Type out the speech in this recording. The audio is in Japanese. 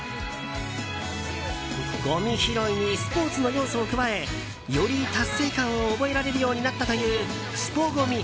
ごみ拾いにスポーツの要素を加えより達成感が覚えられるようになったというスポＧＯＭＩ